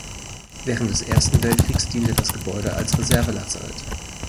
Während des Ersten Weltkriegs diente das Gebäude als Reservelazarett.